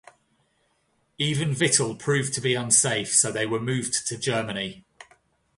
Even Vittel proved to be unsafe, so they were moved to Germany.